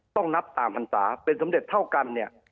ต้องนับตามพรรษาเป็นสมเด็จเท่ากันเนี่ย